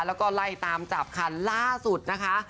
แล้วก็ไล่ตามจับค่ะล่าสุดนะคะ